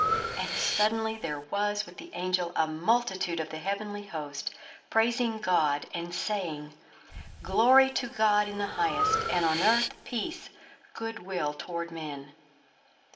42:002:013 And suddenly there was with the angel a multitude of the heavenly host praising God, and saying, 42:002:014 Glory to God in the highest, and on earth peace, good will toward men.